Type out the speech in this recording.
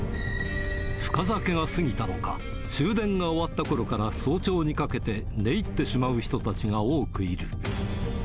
深酒が過ぎたのか、終電が終わったころから早朝にかけて、寝入ってしまう人たちが多くいる。